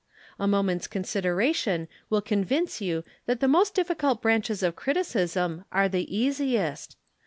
A moment's consideration will convince you that the most difficult branches of criticism are the easiest.